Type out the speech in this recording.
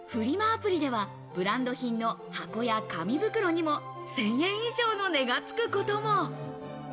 アプリでは、ブランド品の箱や紙袋にも１０００円以上の値がつくことも。